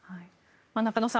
中野さん